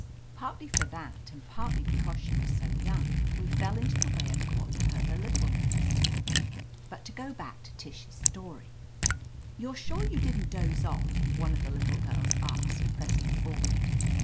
Partly for that and partly because she was so young, we fell into the way of calling her the Little Nurse. But to go back to Tish's story. "You're sure you didn't doze off?" one of the girls asked, pressing forward.